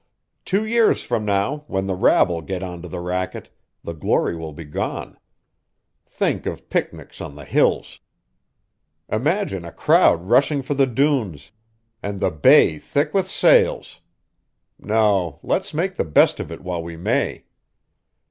Two years from now, when the rabble get onto the racket, the glory will be gone. Think of picnics on the Hills! Imagine a crowd rushing for the dunes, and the bay thick with sails! No! Let's make the best of it while we may."